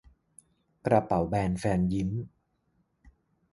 กระเป๋าแบนแฟนยิ้ม